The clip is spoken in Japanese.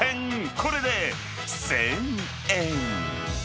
これで１０００円。